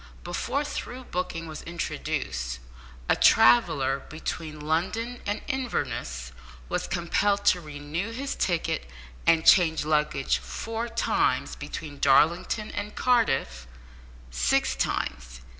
Before through booking was introduced, a traveller between London and Inverness was compelled to renew his ticket and change luggage four times; between Darlington and Cardiff six times.